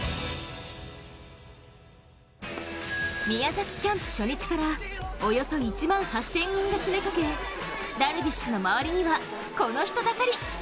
宮崎キャンプ初日からおよそ１万８０００人が詰めかけダルビッシュの周りにはこの人だかり。